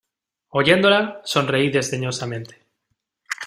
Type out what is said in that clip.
oyéndola, sonreí desdeñosamente.